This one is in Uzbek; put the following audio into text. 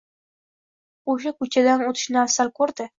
o'sha ko'chadan o'tishni afzal ko'rdi?